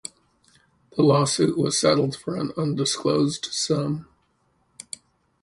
The lawsuit was settled for an undisclosed sum.